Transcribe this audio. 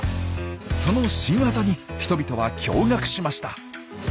その新ワザに人々は驚がくしました。